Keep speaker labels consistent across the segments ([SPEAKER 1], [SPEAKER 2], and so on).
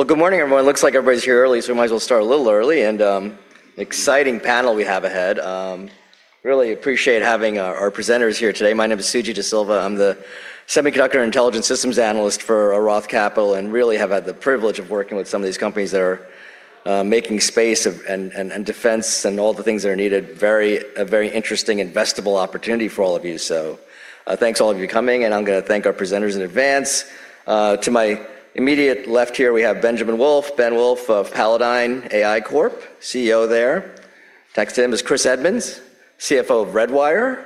[SPEAKER 1] Well, good morning, everyone. Looks like everybody's here early, so we might as well start a little early. Exciting panel we have ahead. Really appreciate having our presenters here today. My name is Suji Desilva. I'm the Semiconductor and Intelligence Systems Analyst for Roth Capital, and really have had the privilege of working with some of these companies that are making space and defense and all the things that are needed. A very interesting investable opportunity for all of you. Thanks all of you for coming, and I'm gonna thank our presenters in advance. To my immediate left here, we have Benjamin Wolff, Ben Wolff of Palladyne AI Corp, Chief Executive Officer there. Next to him is Chris Edmonds, Chief Financial Officer of Redwire.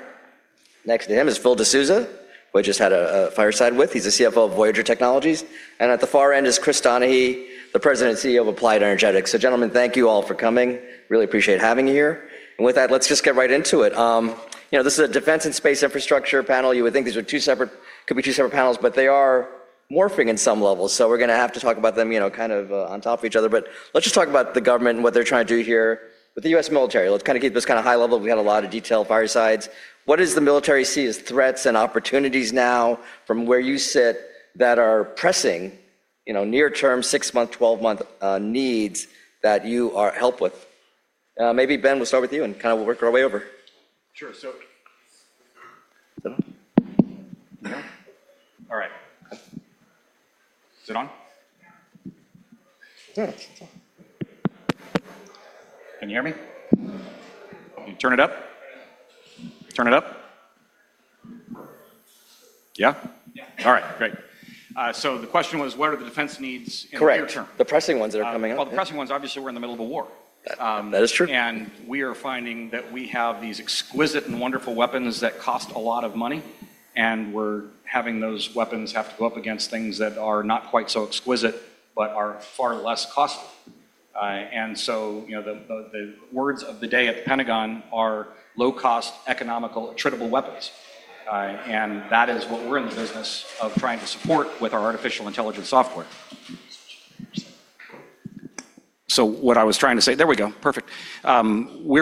[SPEAKER 1] Next to him is Phil De Sousa, who I just had a fireside with. He's the Chief Financial Officer of Voyager Technologies. At the far end is Chris Donahue, the President and Chief Executive Officer of Applied Energetics. Gentlemen, thank you all for coming. Really appreciate having you here. With that, let's just get right into it. This is a defense and space infrastructure panel. You would think these could be two separate panels, but they are morphing in some levels. We're gonna have to talk about them, you know, kind of, on top of each other. Let's just talk about the government and what they're trying to do here with the U.S. military. Let's kinda keep this kinda high level. We got a lot of detailed firesides. What does the military see as threats and opportunities now from where you sit that are pressing, you know, near term, six-month, 12-month needs that you are helped with? Maybe Ben, we'll start with you, and kinda we'll work our way over.
[SPEAKER 2] Sure. Is it on? No? All right. Is it on?
[SPEAKER 1] Yeah, it's on.
[SPEAKER 2] Can you hear me? Can you turn it up? Yeah?
[SPEAKER 1] Yeah.
[SPEAKER 2] All right. Great. The question was, what are the defense needs in the near term?
[SPEAKER 1] Correct. The pressing ones that are coming up, yeah.
[SPEAKER 2] Well, the pressing ones, obviously, we're in the middle of a war.
[SPEAKER 1] That is true.
[SPEAKER 2] We are finding that we have these exquisite and wonderful weapons that cost a lot of money, and we're having those weapons have to go up against things that are not quite so exquisite, but are far less costly. You know, the words of the day at the Pentagon are low cost, economical, attritable weapons. That is what we're in the business of trying to support with our artificial intelligence software. We're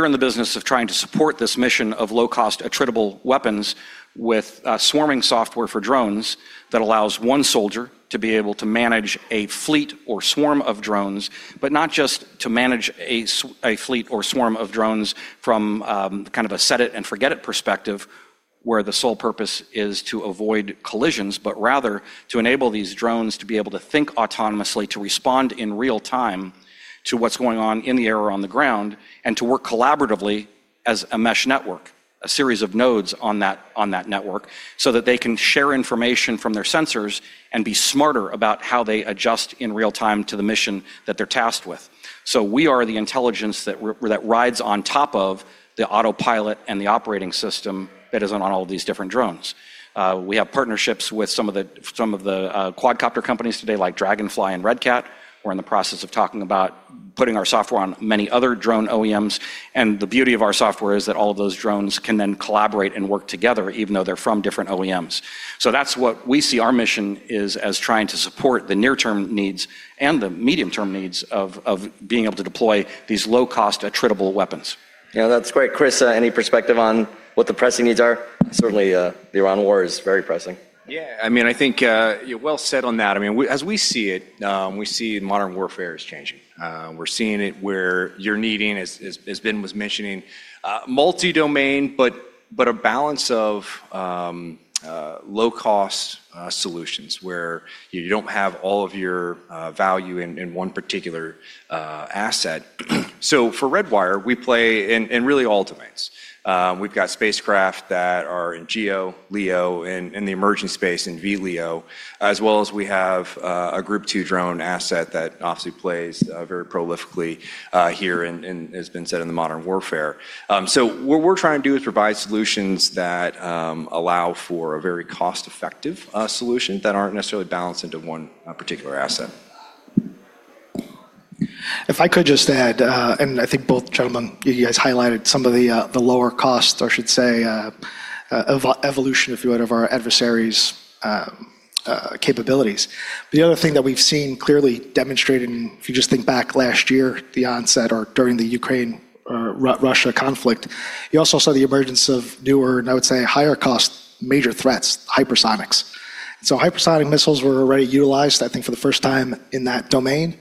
[SPEAKER 2] in the business of trying to support this mission of low cost, attritable weapons with swarming software for drones that allows one soldier to be able to manage a fleet or swarm of drones, but not just to manage a fleet or swarm of drones from kind of a set it and forget it perspective, where the sole purpose is to avoid collisions, but rather to enable these drones to be able to think autonomously, to respond in real time to what's going on in the air or on the ground, and to work collaboratively as a mesh network, a series of nodes on that network, so that they can share information from their sensors and be smarter about how they adjust in real time to the mission that they're tasked with. We are the intelligence that rides on top of the autopilot and the operating system that is on all of these different drones. We have partnerships with some of the quadcopter companies today like Draganfly and Red Cat. We're in the process of talking about putting our software on many other drone OEMs. The beauty of our software is that all of those drones can then collaborate and work together even though they're from different OEMs. That's what we see our mission is as trying to support the near term needs and the medium term needs of being able to deploy these low cost, attritable weapons.
[SPEAKER 1] Yeah, that's great. Chris, any perspective on what the pressing needs are? Certainly, the Iran war is very pressing.
[SPEAKER 3] Yeah, I mean, I think, yeah, well said on that. I mean, as we see it, we see modern warfare is changing. We're seeing it where you're needing, as Ben was mentioning, multi-domain, but a balance of low-cost solutions where you don't have all of your value in one particular asset. For Redwire, we play in really all domains. We've got spacecraft that are in GEO, LEO, in the emerging space, in VLEO, as well as we have a Group 2 drone asset that obviously plays very prolifically here in, as has been said, in the modern warfare. What we're trying to do is provide solutions that allow for a very cost-effective solution that aren't necessarily balanced into one particular asset.
[SPEAKER 4] If I could just add, and I think both gentlemen, you guys highlighted some of the lower costs, or I should say, evolution, if you would, of our adversaries' capabilities. The other thing that we've seen clearly demonstrated, and if you just think back last year, the onset or during the Ukraine or Russia conflict, you also saw the emergence of newer, and I would say higher cost major threats, hypersonics. Hypersonic missiles were already utilized, I think, for the first time in that domain.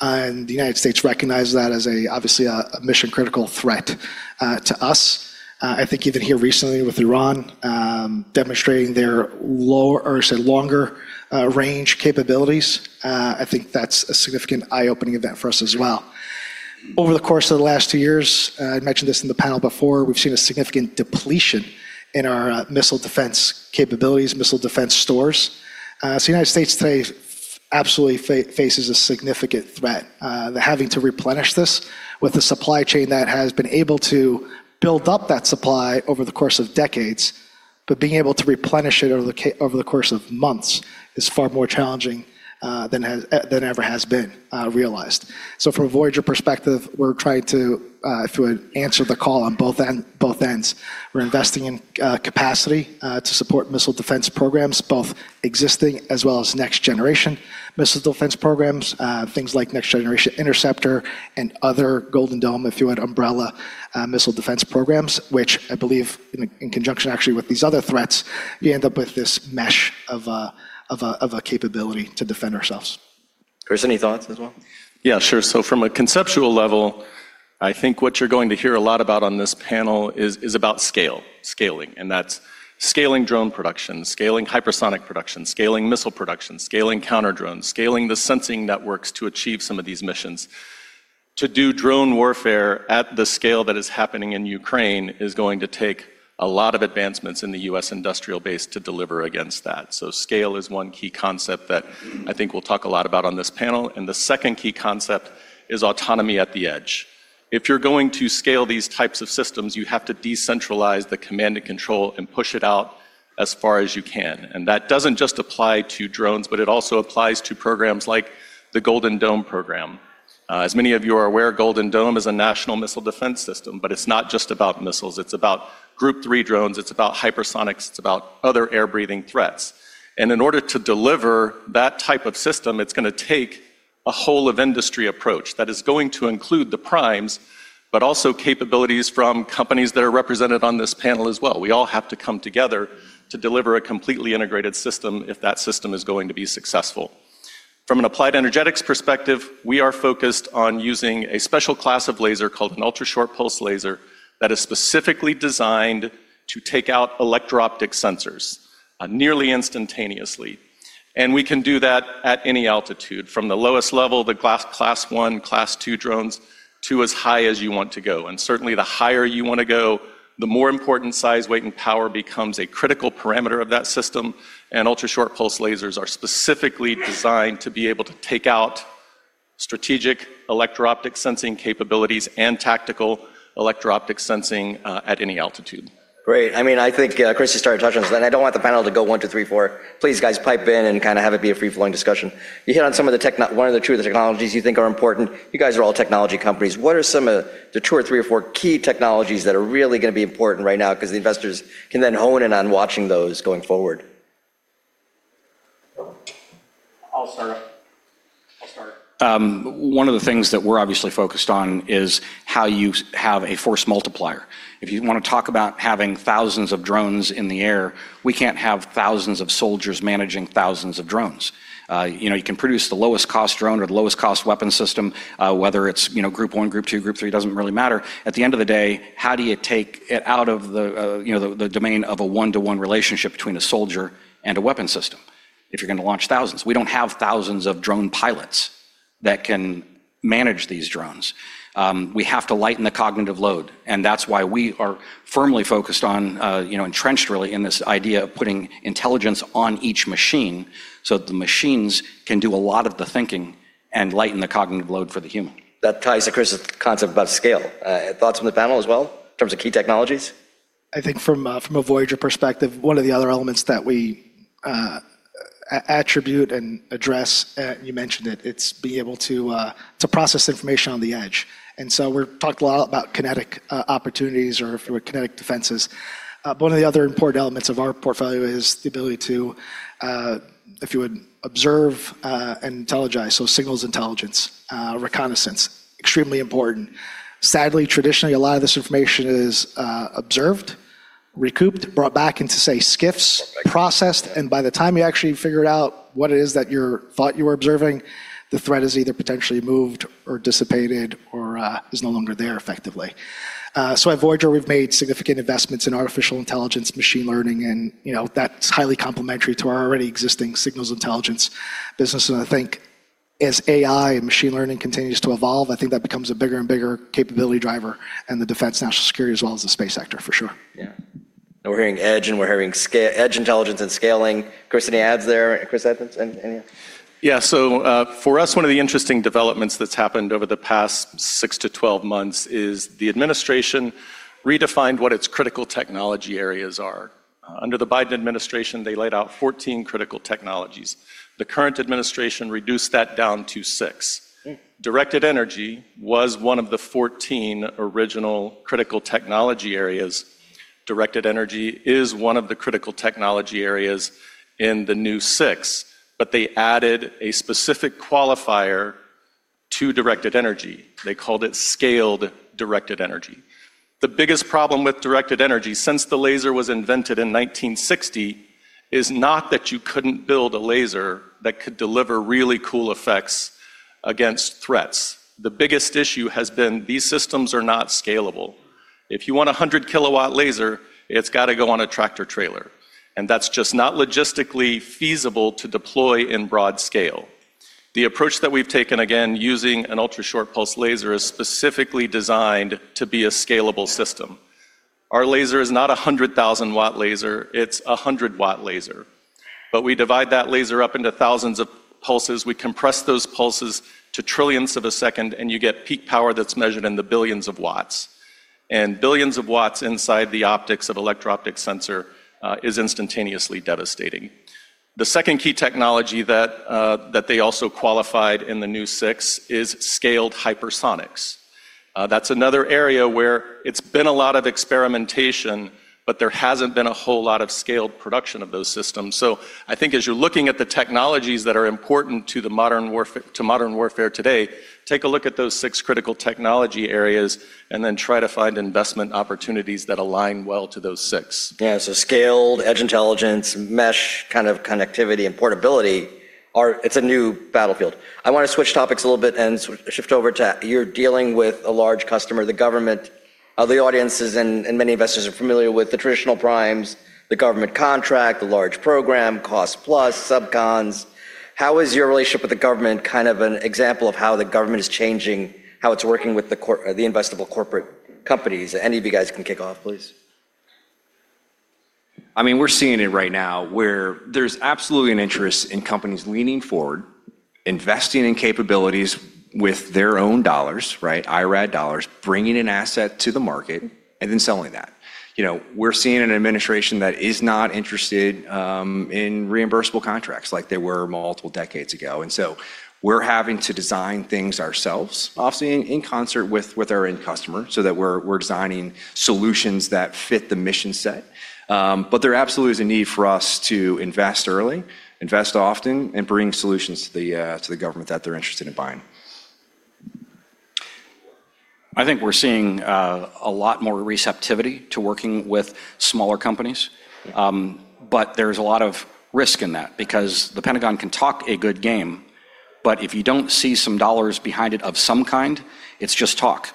[SPEAKER 4] The United States recognized that as obviously a mission critical threat to us. I think even here recently with Iran, demonstrating their low or say longer range capabilities, I think that's a significant eye-opening event for us as well. Over the course of the last two years, I mentioned this in the panel before, we've seen a significant depletion in our missile defense capabilities, missile defense stores. United States today absolutely faces a significant threat. Having to replenish this with a supply chain that has been able to build up that supply over the course of decades, but being able to replenish it over the course of months is far more challenging than has ever been realized. From a Voyager perspective, we're trying to, if you would, answer the call on both ends. We're investing in capacity to support missile defense programs, both existing as well as next generation missile defense programs. Things like Next Generation Interceptor and other Golden Dome, if you would, umbrella missile defense programs, which I believe in conjunction actually with these other threats, you end up with this mesh of a capability to defend ourselves.
[SPEAKER 1] Chris, any thoughts as well?
[SPEAKER 5] Yeah, sure. From a conceptual level, I think what you're going to hear a lot about on this panel is about scale, scaling, and that's scaling drone production, scaling hypersonic production, scaling missile production, scaling counter drones, scaling the sensing networks to achieve some of these missions. To do drone warfare at the scale that is happening in Ukraine is going to take a lot of advancements in the U.S. industrial base to deliver against that. Scale is one key concept that I think we'll talk a lot about on this panel, and the second key concept is autonomy at the edge. If you're going to scale these types of systems, you have to decentralize the command and control and push it out as far as you can. That doesn't just apply to drones, but it also applies to programs like the Golden Dome program. As many of you are aware, Golden Dome is a national missile defense system, but it's not just about missiles, it's about Group 3 drones, it's about hypersonics, it's about other air-breathing threats. In order to deliver that type of system, it's gonna take a whole of industry approach that is going to include the primes, but also capabilities from companies that are represented on this panel as well. We all have to come together to deliver a completely integrated system if that system is going to be successful. From an Applied Energetics perspective, we are focused on using a special class of laser called an ultrashort-pulse laser that is specifically designed to take out electro-optic sensors nearly instantaneously. We can do that at any altitude, from the lowest level, Group 1, Group 2 drones, to as high as you want to go. Certainly the higher you wanna go, the more important size, weight, and power becomes a critical parameter of that system, and ultrashort pulse lasers are specifically designed to be able to take out strategic electro-optic sensing capabilities and tactical electro-optic sensing at any altitude.
[SPEAKER 1] Great. I mean, I think, Chris, you started touching on this, and I don't want the panel to go one, two, three, four. Please, guys, pipe in and kinda have it be a free-flowing discussion. You hit on some of the technologies you think are important. You guys are all technology companies. What are some of the two or three or four key technologies that are really gonna be important right now? 'Cause the investors can then hone in on watching those going forward.
[SPEAKER 2] I'll start. One of the things that we're obviously focused on is how you have a force multiplier. If you wanna talk about having thousands of drones in the air, we can't have thousands of soldiers managing thousands of drones. You know, you can produce the lowest cost drone or the lowest cost weapon system, whether it's, you know, Group one, Group two, Group three, it doesn't really matter. At the end of the day, how do you take it out of the, you know, the domain of a one-to-one relationship between a soldier and a weapon system if you're gonna launch thousands? We don't have thousands of drone pilots that can manage these drones. We have to lighten the cognitive load, and that's why we are firmly focused on, you know, entrenched really in this idea of putting intelligence on each machine, so the machines can do a lot of the thinking and lighten the cognitive load for the human.
[SPEAKER 1] That ties to Chris' concept about scale. Thoughts from the panel as well in terms of key technologies?
[SPEAKER 4] I think from a Voyager perspective, one of the other elements that we attribute and address, you mentioned it's being able to process information on the edge. We've talked a lot about kinetic opportunities or if it were kinetic defenses. One of the other important elements of our portfolio is the ability to, if you would observe and intel, so signals intelligence, reconnaissance, extremely important. Sadly, traditionally, a lot of this information is observed, recouped, brought back into, say, SCIFs, processed, and by the time you actually figured out what it is that you thought you were observing, the threat is either potentially moved or dissipated or is no longer there effectively. At Voyager, we've made significant investments in artificial intelligence, machine learning, and, you know, that's highly complementary to our already existing signals intelligence business. I think as AI and machine learning continues to evolve, I think that becomes a bigger and bigger capability driver in the defense national security as well as the space sector for sure.
[SPEAKER 1] Yeah. Now we're hearing edge and we're hearing scale, edge intelligence and scaling. Chris, any adds there? Chris Edmonds, any?
[SPEAKER 5] For us, one of the interesting developments that's happened over the past six-12 months is the administration redefined what its critical technology areas are. Under the Biden administration, they laid out 14 critical technologies. The current administration reduced that down to six. Directed energy was one of the 14 original critical technology areas. Directed energy is one of the critical technology areas in the new six, but they added a specific qualifier to directed energy. They called it scaled directed energy. The biggest problem with directed energy since the laser was invented in 1960 is not that you couldn't build a laser that could deliver really cool effects against threats. The biggest issue has been these systems are not scalable. If you want a 100 kW laser, it's gotta go on a tractor trailer, and that's just not logistically feasible to deploy in broad scale. The approach that we've taken, again, using an ultrashort-pulse laser is specifically designed to be a scalable system. Our laser is not a 100,000 W laser, it's a 100 W laser. But we divide that laser up into thousands of pulses. We compress those pulses to trillionths of a second, and you get peak power that's measured in the billions of watts. Billions of watts inside the optics of electro-optic sensor is instantaneously devastating. The second key technology that they also qualified in the new six is scaled hypersonics. That's another area where it's been a lot of experimentation, but there hasn't been a whole lot of scaled production of those systems. I think as you're looking at the technologies that are important to modern warfare today, take a look at those six critical technology areas and then try to find investment opportunities that align well to those six.
[SPEAKER 1] Yeah, scaled edge intelligence, mesh kind of connectivity and portability. It's a new battlefield. I wanna switch topics a little bit and shift over to your dealing with a large customer, the government. The audiences and many investors are familiar with the traditional primes, the government contract, the large program, cost plus, sub cons. How is your relationship with the government kind of an example of how the government is changing how it's working with the investable corporate companies? Any of you guys can kick off, please.
[SPEAKER 3] I mean, we're seeing it right now where there's absolutely an interest in companies leaning forward, investing in capabilities with their own dollars, right, IRAD dollars, bringing an asset to the market, and then selling that. You know, we're seeing an administration that is not interested in reimbursable contracts like they were multiple decades ago. We're having to design things ourselves, obviously in concert with our end customer so that we're designing solutions that fit the mission set. There absolutely is a need for us to invest early, invest often, and bring solutions to the government that they're interested in buying.
[SPEAKER 2] I think we're seeing a lot more receptivity to working with smaller companies. There's a lot of risk in that because the Pentagon can talk a good game, but if you don't see some dollars behind it of some kind, it's just talk.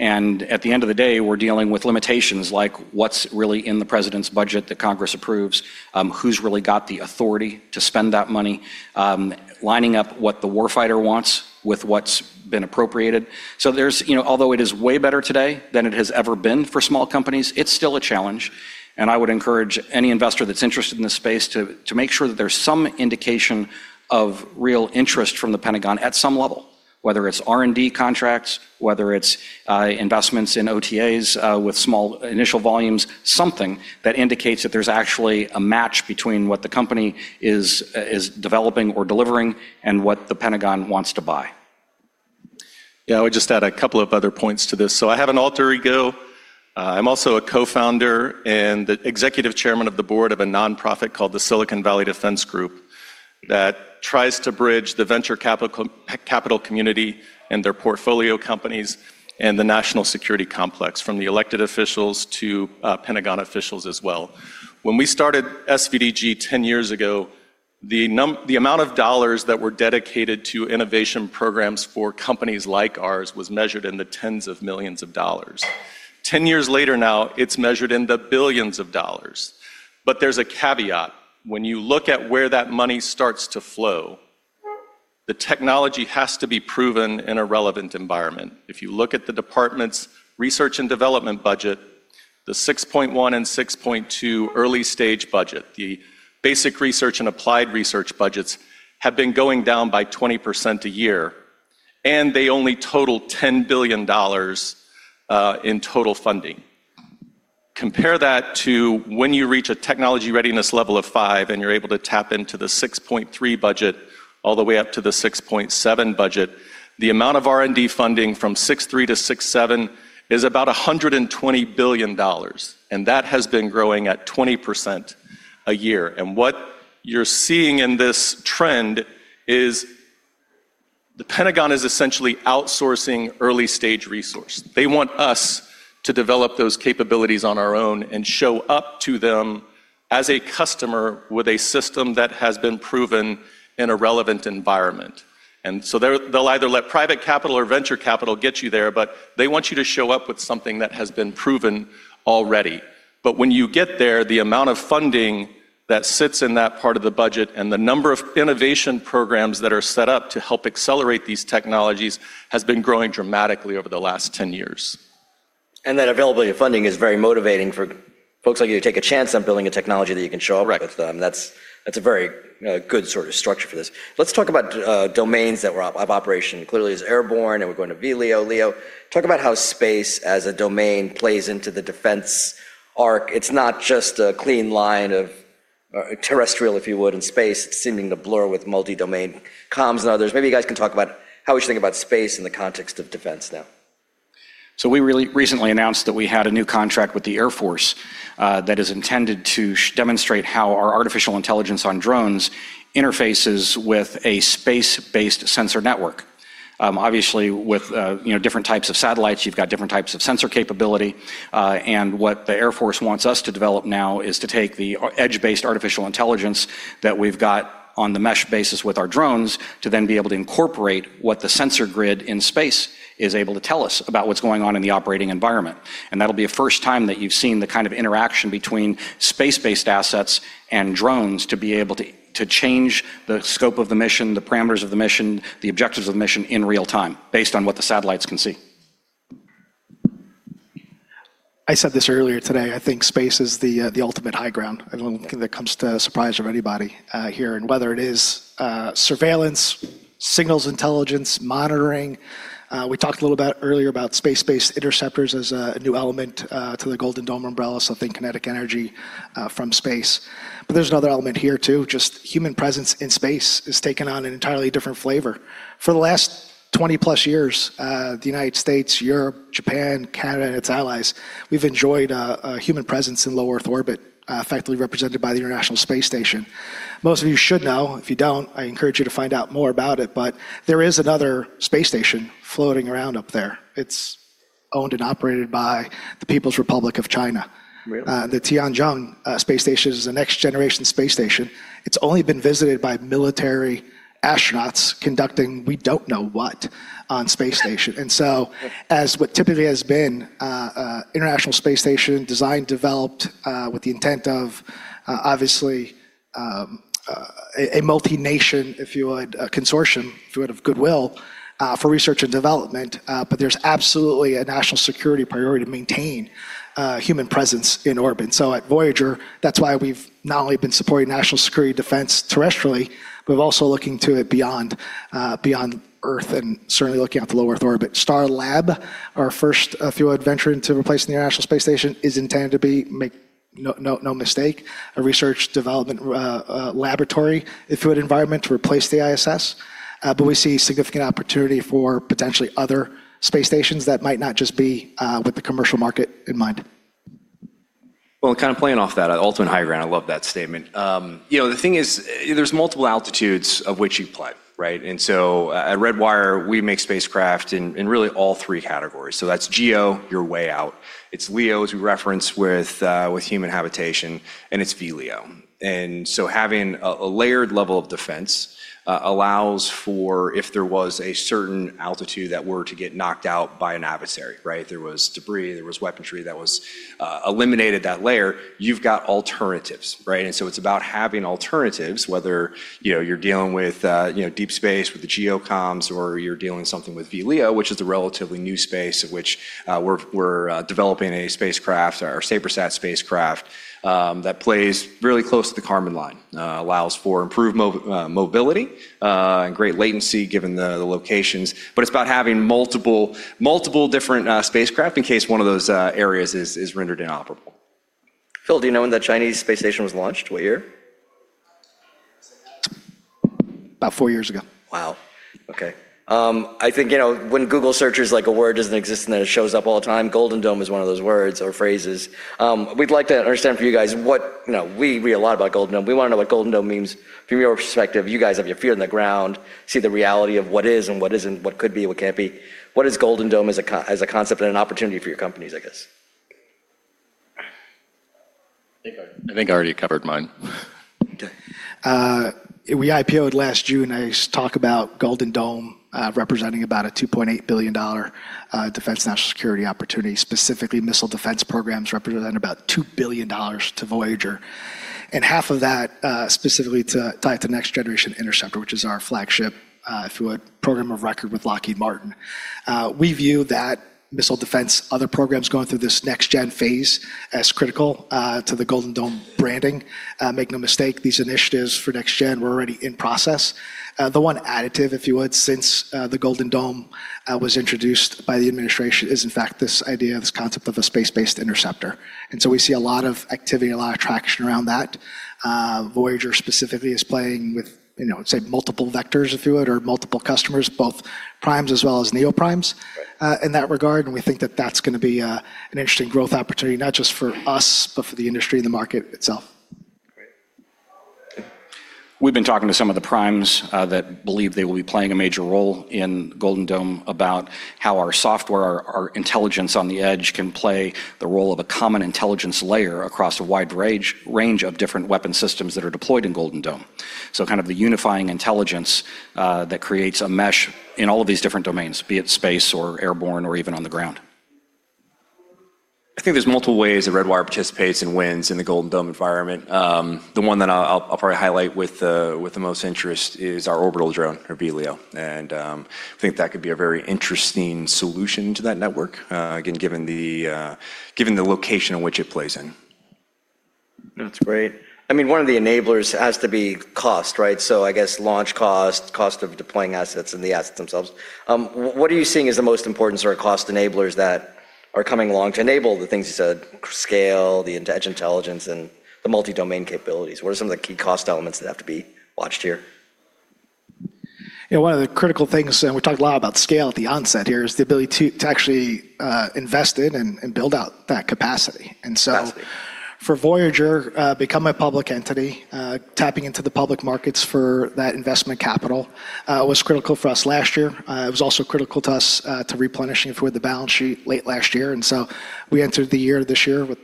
[SPEAKER 2] At the end of the day, we're dealing with limitations like what's really in the President's budget that Congress approves, who's really got the authority to spend that money, lining up what the war fighter wants with what's been appropriated. There's You know, although it is way better today than it has ever been for small companies, it's still a challenge, and I would encourage any investor that's interested in this space to make sure that there's some indication of real interest from the Pentagon at some level, whether it's R&D contracts, whether it's investments in OTAs with small initial volumes, something that indicates that there's actually a match between what the company is developing or delivering and what the Pentagon wants to buy.
[SPEAKER 5] Yeah, I would just add a couple of other points to this. I have an alter ego. I'm also a co-founder and the executive chairman of the board of a nonprofit called the Silicon Valley Defense Group that tries to bridge the venture capital community and their portfolio companies and the national security complex, from the elected officials to Pentagon officials as well. When we started SVDG 10 years ago, the amount of dollars that were dedicated to innovation programs for companies like ours was measured in the tens of millions of dollars. 10 years later now, it's measured in the billions of dollars. There's a caveat. When you look at where that money starts to flow, the technology has to be proven in a relevant environment. If you look at the department's research and development budget, the 6.1% and 6.2% early stage budget, the basic research and applied research budgets have been going down by 20% a year, and they only total $10 billion in total funding. Compare that to when you reach a technology readiness level of 5 and you're able to tap into the 6.3% budget all the way up to the 6.7% budget. The amount of R&D funding from 6.3% to 6.7% is about $120 billion, and that has been growing at 20% a year. What you're seeing in this trend is the Pentagon is essentially outsourcing early-stage resource. They want us to develop those capabilities on our own and show up to them as a customer with a system that has been proven in a relevant environment. They'll either let private capital or venture capital get you there, but they want you to show up with something that has been proven already. When you get there, the amount of funding that sits in that part of the budget and the number of innovation programs that are set up to help accelerate these technologies has been growing dramatically over the last 10 years.
[SPEAKER 1] That availability of funding is very motivating for folks like you to take a chance on building a technology that you can show up with.
[SPEAKER 5] Right.
[SPEAKER 1] That's a very good sort of structure for this. Let's talk about domains of operation. Clearly, it's airborne, and we're going to VLEO, LEO. Talk about how space as a domain plays into the defense arc. It's not just a clean line of terrestrial, if you would, and space seeming to blur with multi-domain comms and others. Maybe you guys can talk about how we should think about space in the context of defense now.
[SPEAKER 2] We recently announced that we had a new contract with the Air Force that is intended to demonstrate how our artificial intelligence on drones interfaces with a space-based sensor network. Obviously, with you know, different types of satellites, you've got different types of sensor capability. What the Air Force wants us to develop now is to take the edge-based artificial intelligence that we've got on the mesh basis with our drones to then be able to incorporate what the sensor grid in space is able to tell us about what's going on in the operating environment. That'll be a first time that you've seen the kind of interaction between space-based assets and drones to be able to change the scope of the mission, the parameters of the mission, the objectives of the mission in real time based on what the satellites can see.
[SPEAKER 4] I said this earlier today. I think space is the ultimate high ground. I don't think that comes as a surprise for anybody here. Whether it is surveillance, signals intelligence, monitoring, we talked a little earlier about space-based interceptors as a new element to the Golden Dome umbrella, so think kinetic energy from space. There's another element here too. Just human presence in space has taken on an entirely different flavor. For the last 20-plus years, the United States, Europe, Japan, Canada, and its allies, we've enjoyed a human presence in low Earth orbit, effectively represented by the International Space Station. Most of you should know. If you don't, I encourage you to find out more about it. There is another space station floating around up there. It's owned and operated by the People's Republic of China.
[SPEAKER 3] Really?
[SPEAKER 4] The Tiangong space station is the next generation space station. It's only been visited by military astronauts conducting we don't know what on the space station. As what typically has been a International Space Station designed, developed, with the intent of obviously a multinational, if you would, a consortium, if you would, of goodwill for research and development. But there's absolutely a national security priority to maintain human presence in orbit. At Voyager, that's why we've not only been supporting national security and defense terrestrially, but we're also looking to it beyond beyond Earth, and certainly looking at the low Earth orbit. Starlab, our first, if you would, venture into replacing the International Space Station, is intended to be, make no mistake, a research development laboratory, if you would, environment to replace the ISS. We see significant opportunity for potentially other space stations that might not just be, with the commercial market in mind.
[SPEAKER 3] Well, kind of playing off that, ultimate high ground, I love that statement. You know, the thing is, there's multiple altitudes of which you play, right? At Redwire, we make spacecraft in really all three categories. That's GEO, you're way out. It's LEO, as we referenced, with human habitation, and it's VLEO. Having a layered level of defense allows for if there was a certain altitude that were to get knocked out by an adversary, right? There was debris, there was weaponry that was eliminated that layer, you've got alternatives, right? It's about having alternatives, whether, you know, you're dealing with, you know, deep space with the GEO comms, or you're dealing with something with VLEO, which is a relatively new space of which we're developing a spacecraft, our SaberSat spacecraft, that plays really close to the Kármán line, allows for improved mobility and great latency given the locations. It's about having multiple different spacecraft in case one of those areas is rendered inoperable. Phil, do you know when the Chinese space station was launched? What year?
[SPEAKER 4] About four years ago.
[SPEAKER 3] Wow. Okay. I think, you know, when Google searches, like, a word doesn't exist, and then it shows up all the time, Golden Dome is one of those words or phrases. We'd like to understand for you guys what. You know, we read a lot about Golden Dome. We wanna know what Golden Dome means from your perspective. You guys have your feet on the ground, see the reality of what is and what isn't, what could be and what can't be. What is Golden Dome as a concept and an opportunity for your companies, I guess?
[SPEAKER 2] I think I already covered mine.
[SPEAKER 3] Okay.
[SPEAKER 4] We IPO'd last June. I talk about Golden Dome representing about a $2.8 billion defense national security opportunity, specifically missile defense programs representing about $2 billion to Voyager. Half of that specifically to tie it to Next Generation Interceptor, which is our flagship, if you would, program of record with Lockheed Martin. We view that missile defense, other programs going through this next gen phase, as critical to the Golden Dome branding. Make no mistake, these initiatives for next gen were already in process. The one additive, if you would, since the Golden Dome was introduced by the administration, is in fact this idea, this concept of a space-based interceptor. We see a lot of activity, a lot of traction around that. Voyager specifically is playing with, you know, say, multiple vectors, if you would, or multiple customers, both primes as well as neo-primes.
[SPEAKER 3] Great.
[SPEAKER 4] In that regard, we think that that's gonna be an interesting growth opportunity, not just for us, but for the industry and the market itself.
[SPEAKER 3] Great.
[SPEAKER 2] We've been talking to some of the primes that believe they will be playing a major role in Golden Dome about how our software, our intelligence on the edge can play the role of a common intelligence layer across a wide range of different weapon systems that are deployed in Golden Dome. Kind of the unifying intelligence that creates a mesh in all of these different domains, be it space or airborne or even on the ground.
[SPEAKER 3] I think there's multiple ways that Redwire participates and wins in the Golden Dome environment. The one that I'll probably highlight with the most interest is our orbital drone, Orbilio. I think that could be a very interesting solution to that network, again, given the location in which it plays in. That's great. I mean, one of the enablers has to be cost, right? I guess launch cost of deploying assets, and the assets themselves. What are you seeing as the most important sort of cost enablers that are coming along to enable the things you said, scale, the intelligence, and the multi-domain capabilities? What are some of the key cost elements that have to be watched here?
[SPEAKER 4] You know, one of the critical things, and we talked a lot about scale at the onset here, is the ability to actually invest in and build out that capacity.
[SPEAKER 3] Absolutely.
[SPEAKER 4] For Voyager become a public entity, tapping into the public markets for that investment capital, was critical for us last year. It was also critical to us to replenishing for the balance sheet late last year. We entered the year this year with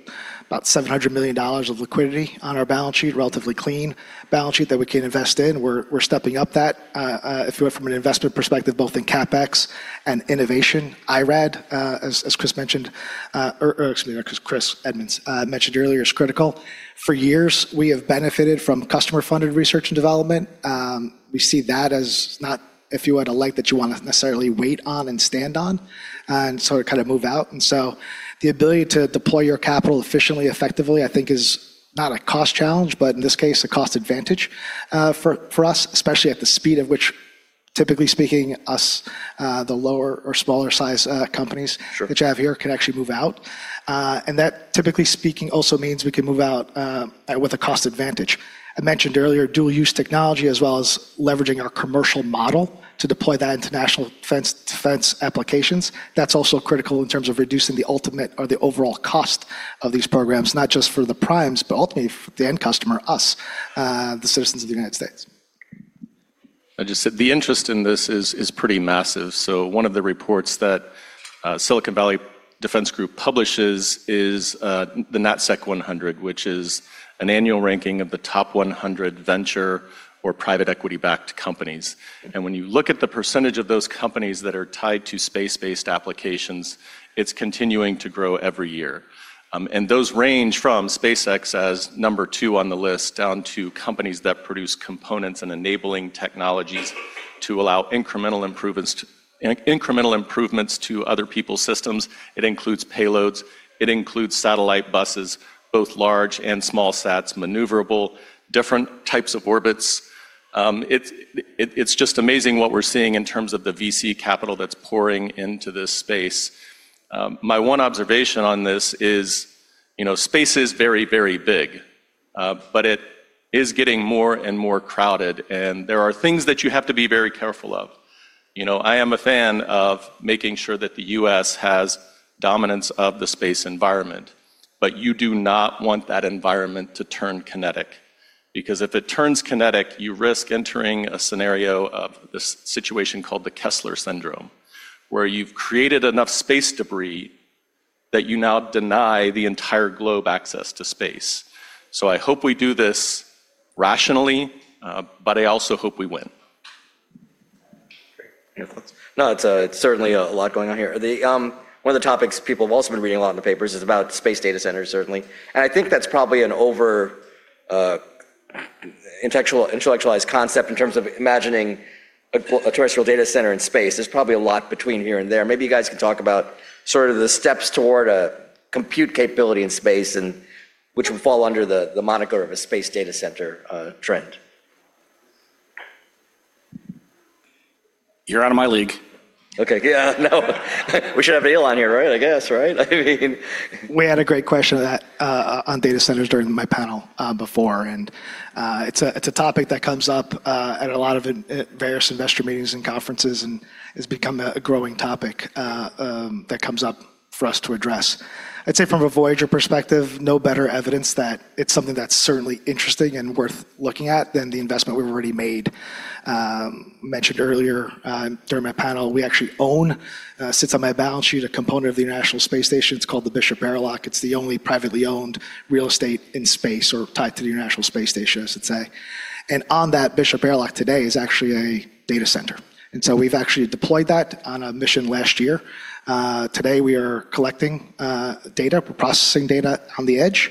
[SPEAKER 4] about $700 million of liquidity on our balance sheet, relatively clean balance sheet that we can invest in. We're stepping up that, if you're from an investor perspective, both in CapEx and innovation. IRAD, as Chris mentioned, or excuse me, not Chris Edmonds mentioned earlier, is critical. For years, we have benefited from customer-funded research and development. We see that as not, if you would, a light that you wanna necessarily wait on and stand on, to kind of move out. The ability to deploy your capital efficiently, effectively, I think, is not a cost challenge, but in this case, a cost advantage for us, especially at the speed at which, typically speaking, the lower or smaller size companies-
[SPEAKER 3] Sure.
[SPEAKER 4] ...which you have here, can actually move out. That, typically speaking, also means we can move out with a cost advantage. I mentioned earlier dual use technology as well as leveraging our commercial model to deploy that into national defense applications. That's also critical in terms of reducing the ultimate or the overall cost of these programs, not just for the primes, but ultimately for the end customer, us, the citizens of the United States.
[SPEAKER 5] I just said the interest in this is pretty massive. One of the reports that Silicon Valley Defense Group publishes is the NatSec100, which is an annual ranking of the top 100 venture or private equity-backed companies. When you look at the percentage of those companies that are tied to space-based applications, it's continuing to grow every year. Those range from SpaceX as number two on the list down to companies that produce components and enabling technologies to allow incremental improvements to other people's systems. It includes payloads, it includes satellite buses, both large and small sats, maneuverable, different types of orbits. It's just amazing what we're seeing in terms of the VC capital that's pouring into this space. My one observation on this is, you know, space is very big, but it is getting more and more crowded, and there are things that you have to be very careful of. You know, I am a fan of making sure that the U.S. has dominance of the space environment, but you do not want that environment to turn kinetic because if it turns kinetic, you risk entering a scenario of this situation called the Kessler Syndrome, where you've created enough space debris that you now deny the entire globe access to space. I hope we do this rationally, but I also hope we win.
[SPEAKER 1] Great. Any other thoughts? No, it's certainly a lot going on here. The one of the topics people have also been reading a lot in the papers is about space data centers, certainly. I think that's probably an over-intellectualized concept in terms of imagining a terrestrial data center in space. There's probably a lot between here and there. Maybe you guys can talk about sort of the steps toward a compute capability in space and which would fall under the moniker of a space data center trend.
[SPEAKER 5] You're out of my league.
[SPEAKER 1] Okay. Yeah. No. We should have Elon on here, right? I guess, right? I mean.
[SPEAKER 4] We had a great question on that on data centers during my panel before. It's a topic that comes up in various investor meetings and conferences and has become a growing topic that comes up for us to address. I'd say from a Voyager perspective, no better evidence that it's something that's certainly interesting and worth looking at than the investment we've already made. Mentioned earlier during my panel, we actually own a component of the International Space Station that sits on my balance sheet. It's called the Bishop Airlock. It's the only privately owned real estate in space or tied to the International Space Station, I should say. On that Bishop Airlock today is actually a data center. We've actually deployed that on a mission last year. Today we are collecting data. We're processing data on the edge,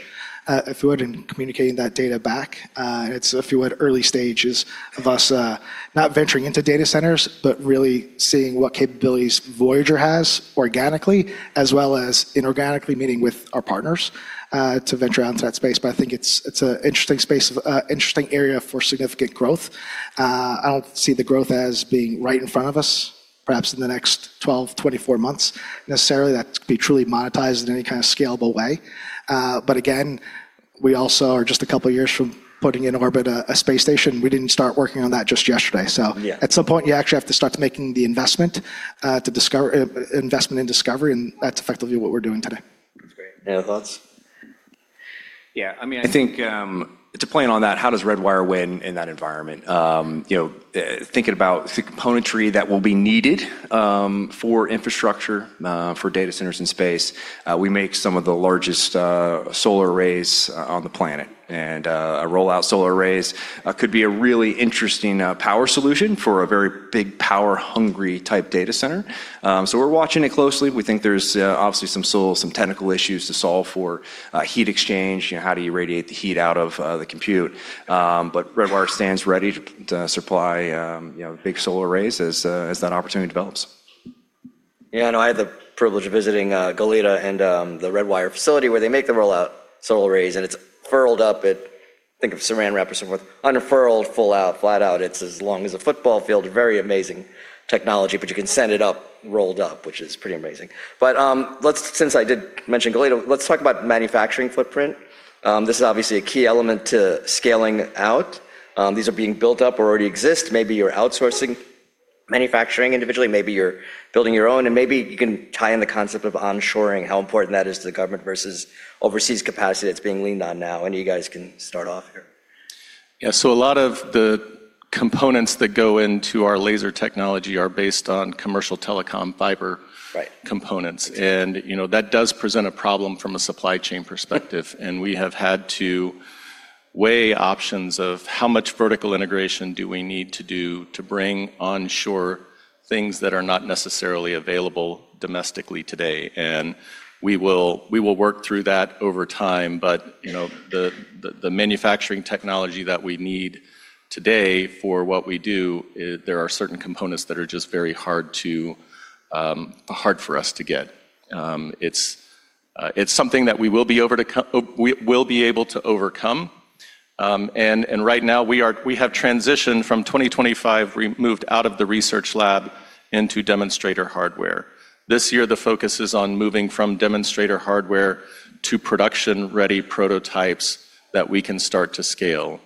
[SPEAKER 4] if you would, and communicating that data back. It's, if you would, early stages of us not venturing into data centers, but really seeing what capabilities Voyager has organically as well as inorganically meeting with our partners to venture out into that space. I think it's an interesting space of interesting area for significant growth. I don't see the growth as being right in front of us, perhaps in the next 12, 24 months necessarily that could be truly monetized in any kind of scalable way. Again, we also are just a couple of years from putting in orbit a space station. We didn't start working on that just yesterday.
[SPEAKER 1] Yeah.
[SPEAKER 4] At some point, you actually have to start making the investment in discovery, and that's effectively what we're doing today.
[SPEAKER 1] That's great. Any other thoughts?
[SPEAKER 3] Yeah. I mean, I think to plan on that, how does Redwire win in that environment? You know, thinking about the componentry that will be needed for infrastructure for data centers in space, we make some of the largest solar arrays on the planet. A roll-out solar arrays could be a really interesting power solution for a very big power-hungry type data center. We're watching it closely. We think there's obviously some technical issues to solve for heat exchange. You know, how do you radiate the heat out of the compute? Redwire stands ready to supply you know, big solar arrays as that opportunity develops.
[SPEAKER 1] Yeah, no, I had the privilege of visiting Goleta and the Redwire facility where they make the Roll-Out Solar Arrays, and it's furled up. Think of Saran Wrap or something with unfurled, full out, flat out. It's as long as a football field. Very amazing technology, but you can send it up rolled up, which is pretty amazing. Since I did mention Goleta, let's talk about manufacturing footprint. This is obviously a key element to scaling out. These are being built up or already exist. Maybe you're outsourcing manufacturing individually, maybe you're building your own, and maybe you can tie in the concept of onshoring, how important that is to the government versus overseas capacity that's being leaned on now. Any of you guys can start off here.
[SPEAKER 5] Yeah. A lot of the components that go into our laser technology are based on commercial telecom fiber-
[SPEAKER 1] Right.
[SPEAKER 5] ...components.
[SPEAKER 1] Exactly.
[SPEAKER 5] You know, that does present a problem from a supply chain perspective. We have had to weigh options of how much vertical integration do we need to do to bring onshore things that are not necessarily available domestically today. We will work through that over time. You know, the manufacturing technology that we need today for what we do, there are certain components that are just very hard for us to get. It's something we'll be able to overcome. Right now we have transitioned from 2025, we moved out of the research lab into demonstrator hardware. This year, the focus is on moving from demonstrator hardware to production-ready prototypes that we can start to scale.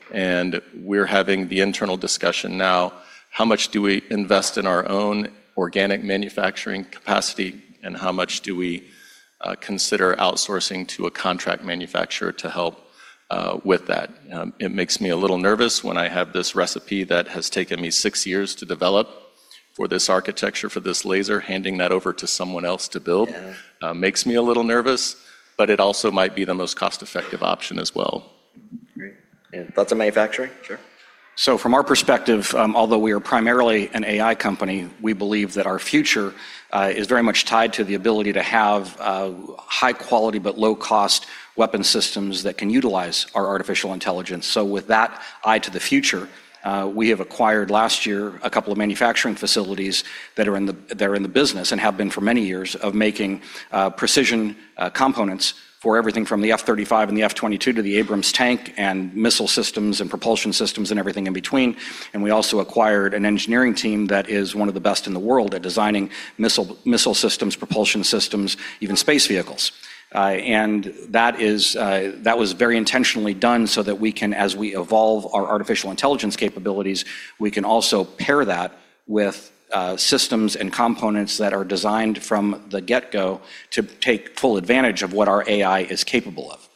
[SPEAKER 5] We're having the internal discussion now, how much do we invest in our own organic manufacturing capacity, and how much do we consider outsourcing to a contract manufacturer to help with that. It makes me a little nervous when I have this recipe that has taken me six years to develop for this architecture, for this laser. Handing that over to someone else to build.
[SPEAKER 1] Yeah.
[SPEAKER 5] Makes me a little nervous, but it also might be the most cost-effective option as well.
[SPEAKER 1] Great. Any thoughts on manufacturing? Sure.
[SPEAKER 2] From our perspective, although we are primarily an AI company, we believe that our future is very much tied to the ability to have high quality but low cost weapon systems that can utilize our artificial intelligence. With that eye to the future, we have acquired last year a couple of manufacturing facilities that are in the business and have been for many years of making precision components for everything from the F-35 and the F-22 to the Abrams tank and missile systems and propulsion systems and everything in between. We also acquired an engineering team that is one of the best in the world at designing missile systems, propulsion systems, even space vehicles. that was very intentionally done so that we can, as we evolve our artificial intelligence capabilities, we can also pair that with systems and components that are designed from the get-go to take full advantage of what our AI is capable of.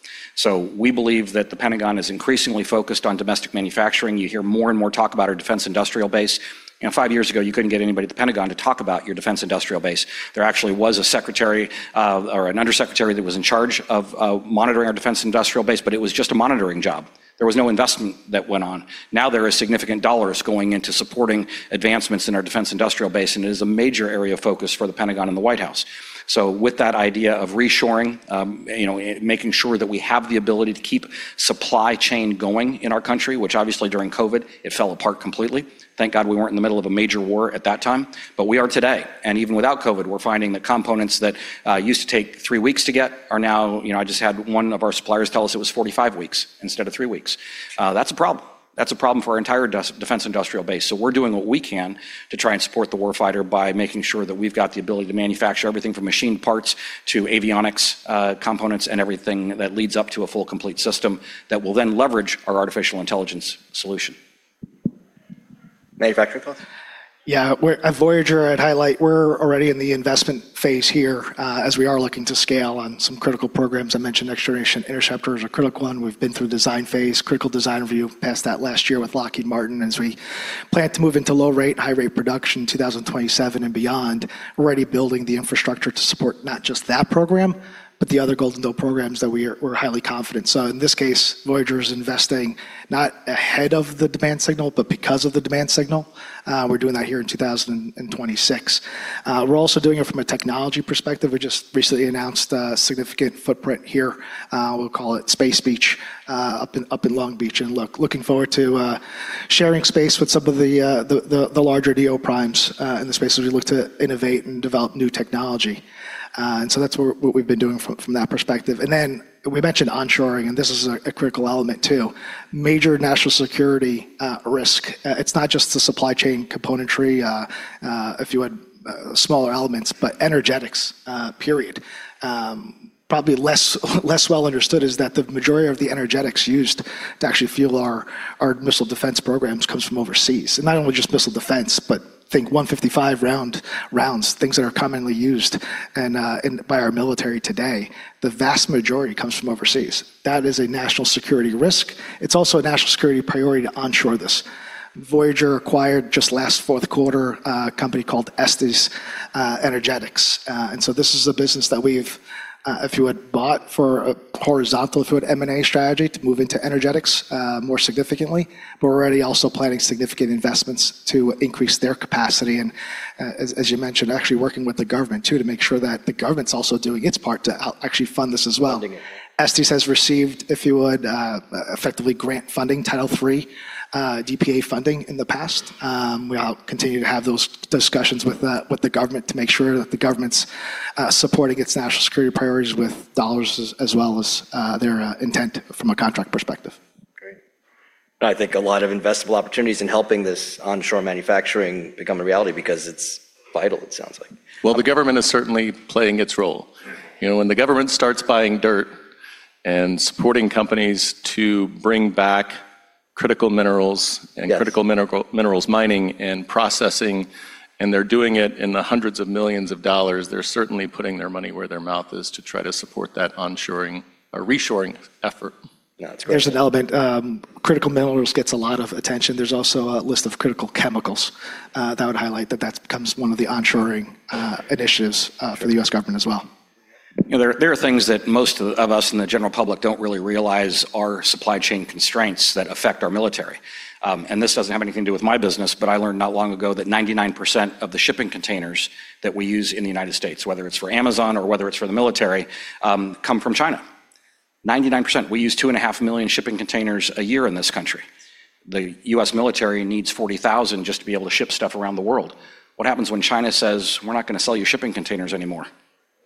[SPEAKER 2] We believe that the Pentagon is increasingly focused on domestic manufacturing. You hear more and more talk about our defense industrial base. You know, five years ago, you couldn't get anybody at the Pentagon to talk about your defense industrial base. There actually was a secretary or an undersecretary that was in charge of monitoring our defense industrial base, but it was just a monitoring job. There was no investment that went on. Now there is significant dollars going into supporting advancements in our defense industrial base, and it is a major area of focus for the Pentagon and the White House. With that idea of reshoring, you know, making sure that we have the ability to keep supply chain going in our country, which obviously during COVID, it fell apart completely. Thank God we weren't in the middle of a major war at that time, but we are today. Even without COVID, we're finding that components that used to take three weeks to get are now. You know, I just had one of our suppliers tell us it was 45 weeks instead of three weeks. That's a problem. That's a problem for our entire defense industrial base. We're doing what we can to try and support the war fighter by making sure that we've got the ability to manufacture everything from machine parts to avionics, components and everything that leads up to a full complete system that will then leverage our artificial intelligence solution.
[SPEAKER 1] Manufacturing thoughts?
[SPEAKER 4] At Voyager, I'd highlight we're already in the investment phase here, as we are looking to scale on some critical programs. I mentioned Next Generation Interceptor is a critical one. We've been through design phase, critical design review, passed that last year with Lockheed Martin. As we plan to move into low rate and high rate production in 2027 and beyond, we're already building the infrastructure to support not just that program, but the other Golden Dome programs that we're highly confident. In this case, Voyager is investing not ahead of the demand signal, but because of the demand signal. We're doing that here in 2026. We're also doing it from a technology perspective. We just recently announced a significant footprint here, we'll call it Space Beach, up in Long Beach. Looking forward to sharing space with some of the larger DoD primes in the space as we look to innovate and develop new technology. That's what we've been doing from that perspective. Then we mentioned onshoring, and this is a critical element too. Major national security risk. It's not just the supply chain componentry if you had smaller elements, but energetics period. Probably less well understood is that the majority of the energetics used to actually fuel our missile defense programs comes from overseas. Not only just missile defense, but think 155 round rounds, things that are commonly used by our military today. The vast majority comes from overseas. That is a national security risk. It's also a national security priority to onshore this. Voyager acquired just last fourth quarter a company called Estes Energetics. This is a business that if you had bought for a horizontal through an M&A strategy to move into energetics more significantly. We're already also planning significant investments to increase their capacity and as you mentioned, actually working with the government too to make sure that the government's also doing its part to actually fund this as well.
[SPEAKER 1] Funding it, yeah.
[SPEAKER 4] Estes has received, if you would, effectively grant funding Title III, DPA funding in the past. We'll continue to have those discussions with the government to make sure that the government's supporting its national security priorities with dollars as well as their intent from a contract perspective.
[SPEAKER 1] Great. I think a lot of investable opportunities in helping this onshore manufacturing become a reality because it's vital, it sounds like.
[SPEAKER 5] Well, the government is certainly playing its role.
[SPEAKER 1] Right.
[SPEAKER 5] You know, when the government starts buying dirt and supporting companies to bring back critical minerals.
[SPEAKER 1] Yes.
[SPEAKER 5] Critical minerals mining and processing, and they're doing it in the hundreds of millions of dollars. They're certainly putting their money where their mouth is to try to support that onshoring or reshoring effort.
[SPEAKER 1] Yeah, that's right.
[SPEAKER 4] There's an element, critical minerals gets a lot of attention. There's also a list of critical chemicals, that would highlight that becomes one of the onshoring, initiatives, for the U.S. government as well.
[SPEAKER 2] You know, there are things that most of us in the general public don't really realize are supply chain constraints that affect our military. This doesn't have anything to do with my business, but I learned not long ago that 99% of the shipping containers that we use in the United States, whether it's for Amazon or whether it's for the military, come from China. 99%. We use 2.5 million shipping containers a year in this country. The U.S. military needs 40,000 just to be able to ship stuff around the world. What happens when China says, "We're not gonna sell you shipping containers anymore"?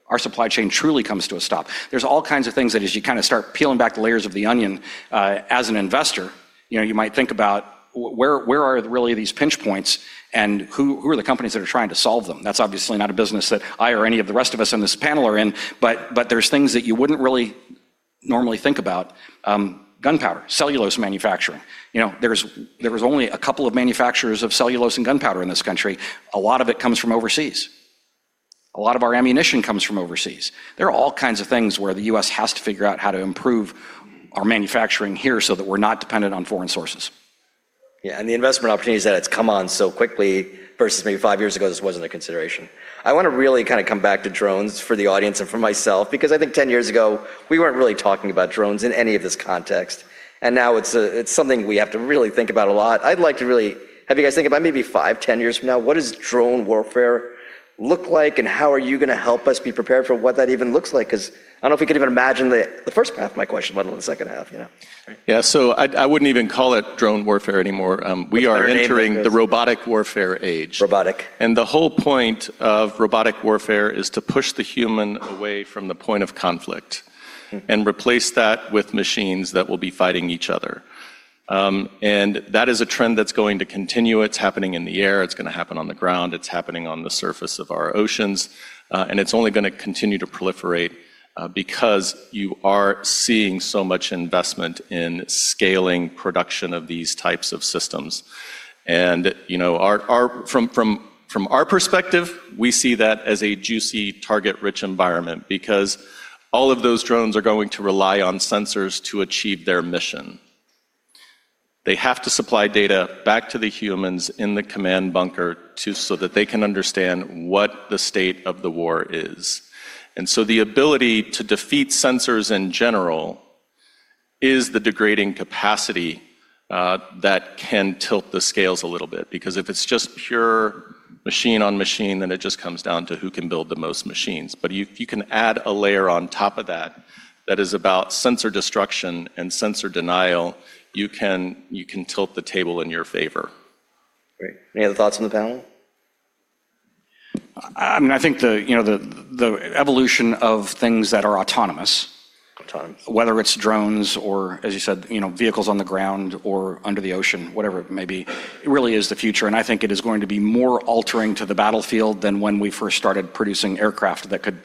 [SPEAKER 2] Our supply chain truly comes to a stop. There's all kinds of things that as you kinda start peeling back the layers of the onion, as an investor, you know, you might think about where are really these pinch points and who are the companies that are trying to solve them? That's obviously not a business that I or any of the rest of us on this panel are in, but there's things that you wouldn't really normally think about, gunpowder, cellulose manufacturing. You know, there was only a couple of manufacturers of cellulose and gunpowder in this country. A lot of it comes from overseas. A lot of our ammunition comes from overseas. There are all kinds of things where the U.S. has to figure out how to improve our manufacturing here so that we're not dependent on foreign sources.
[SPEAKER 1] Yeah, the investment opportunities that it's come on so quickly versus maybe five years ago, this wasn't a consideration. I wanna really kinda come back to drones for the audience and for myself, because I think 10 years ago, we weren't really talking about drones in any of this context, and now it's something we have to really think about a lot. I'd like to really have you guys think about maybe five, 10 years from now, what does drone warfare look like and how are you gonna help us be prepared for what that even looks like? 'Cause I don't know if we can even imagine the first half of my question, let alone the second half, you know?
[SPEAKER 5] Yeah, I wouldn't even call it drone warfare anymore. We are-
[SPEAKER 1] What's another name for this?
[SPEAKER 5] ...entering the robotic warfare age.
[SPEAKER 1] Robotic.
[SPEAKER 5] The whole point of robotic warfare is to push the human away from the point of conflict. Replace that with machines that will be fighting each other. That is a trend that's going to continue. It's happening in the air, it's gonna happen on the ground, it's happening on the surface of our oceans, and it's only gonna continue to proliferate, because you are seeing so much investment in scaling production of these types of systems. You know, from our perspective, we see that as a juicy, target-rich environment, because all of those drones are going to rely on sensors to achieve their mission. They have to supply data back to the humans in the command bunker, so that they can understand what the state of the war is. The ability to defeat sensors in general is the degrading capacity that can tilt the scales a little bit, because if it's just pure machine on machine, then it just comes down to who can build the most machines. If you can add a layer on top of that is about sensor destruction and sensor denial, you can tilt the table in your favor.
[SPEAKER 1] Great. Any other thoughts from the panel?
[SPEAKER 2] I mean, I think, you know, the evolution of things that are autonomous.
[SPEAKER 1] Autonomous.
[SPEAKER 2] Whether it's drones or, as you said, you know, vehicles on the ground or under the ocean, whatever it may be, it really is the future, and I think it is going to be more altering to the battlefield than when we first started producing aircraft that could,